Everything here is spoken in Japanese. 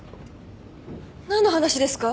何の話ですか？